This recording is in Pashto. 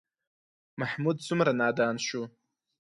محمود څومره نادان شو.